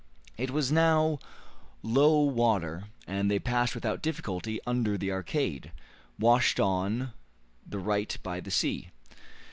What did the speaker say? It was now low water, and they passed without difficulty under the arcade, washed on the right by the sea.